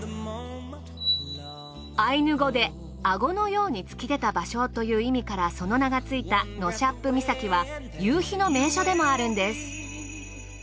アイヌ語で顎のように突き出た場所という意味からその名が付いたノシャップ岬は夕日の名所でもあるんです。